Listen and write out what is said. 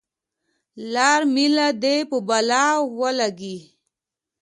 لار میله دې په بلا ولګي.